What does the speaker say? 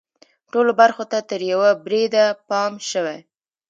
ټولو برخو ته تر یوه بریده پام شوی.